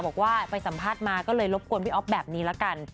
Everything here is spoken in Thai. บอกว่าไปสัมภาษณ์มาก็เลยรบกวนพี่อ๊อฟแบบนี้ละกัน